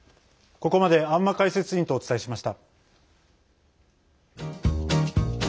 ここまで安間解説委員とお伝えしました。